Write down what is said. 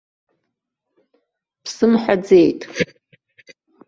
Бсымҳәаӡеит.